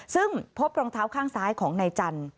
ซึ่งพบรองเท้าข้างซ้ายของนายจันทร์